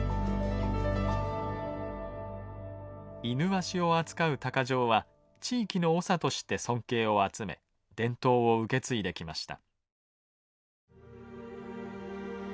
イヌワシを扱う鷹匠は地域の長として尊敬を集め伝統を受け継いできました。